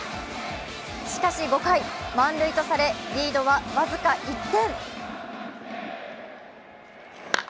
しかし５回、満塁とされ、リードは僅か１点。